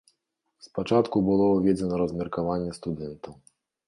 Спачатку было ўведзена размеркаванне студэнтаў.